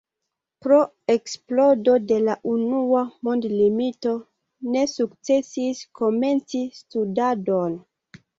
Pro eksplodo de la unua mondmilito ne sukcesis komenci studadon.